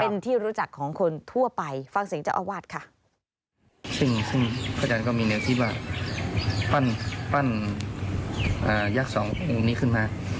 ยักษ์สององค์นี้ขึ้นมา